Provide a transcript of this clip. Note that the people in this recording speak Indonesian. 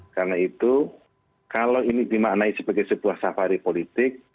karena itu kalau ini dimaknai sebagai sebuah safari politik